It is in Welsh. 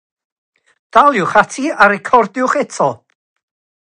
Yn ddiweddarach, cryfhawyd yr ardal â mur.